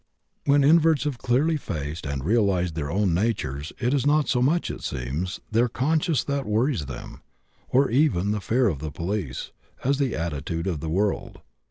When inverts have clearly faced and realized their own nature it is not so much, it seems, their conscience that worries them, or even the fear of the police, as the attitude of the world.